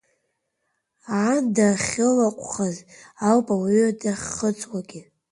Аанда ахьылаҟәхаз ауп ауаҩы дахьхыҵуагьы.